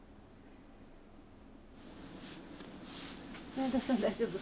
永田さん大丈夫？